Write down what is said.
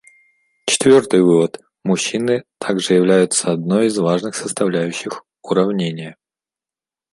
Четвертый вывод: мужчины также являются одной из важных составляющих уравнения.